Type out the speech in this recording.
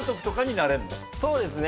そうですね。